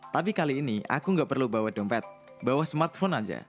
tapi kali ini aku nggak perlu bawa dompet bawa smartphone aja